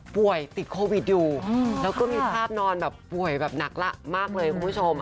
ป่วยติดโควิดอยู่แล้วก็มีภาพนอนแบบป่วยแบบหนักละมากเลยคุณผู้ชม